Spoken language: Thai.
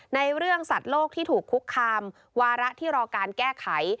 ในเรื่องสัตว์โลกที่ถูกคุกคามวาระที่รอการแก้ไข